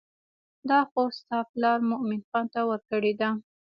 دا خور ستا پلار مومن خان ته ورکړې ده.